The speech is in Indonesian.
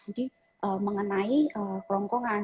jadi mengenai kerongkongan